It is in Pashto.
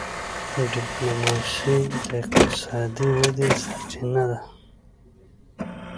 ډيپلوماسي د اقتصادي ودي سرچینه ده.